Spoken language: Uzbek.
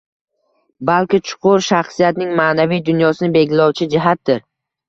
balki chuqur, shaxsiyatning ma’naviy dunyosini belgilovchi jihatdir.